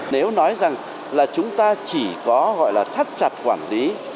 nếu nói rằng là chúng ta chỉ có gọi là thắt chặt quản lý